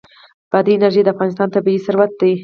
بادي انرژي د افغانستان طبعي ثروت دی.